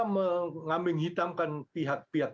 mengambil hitamkan pihak pihak